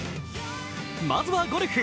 まずはゴルフ。